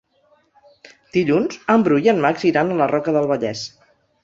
Dilluns en Bru i en Max iran a la Roca del Vallès.